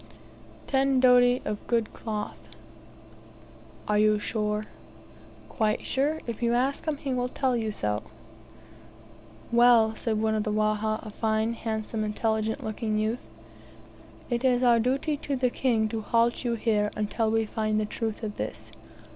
"Ten doti of good cloth." "Are you sure?" "Quite sure. If you ask him, he will tell you so." "Well," said one of the Wahha, a fine, handsome, intelligent looking youth, "it is our duty to the king to halt you here until we find out the truth of this.